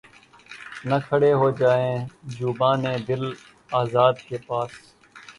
نہ کھڑے ہوجیے خُوبانِ دل آزار کے پاس